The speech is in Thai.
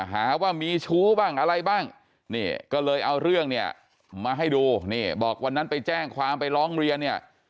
หาว่ามีชู้บ้างอะไรบ้างนี่ก็เลยเอาเรื่องเนี่ยมาให้ดูนี่บอกวันนั้นไปแจ้งความไปร้องเรียนเนี่ย